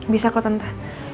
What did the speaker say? bisa kok tante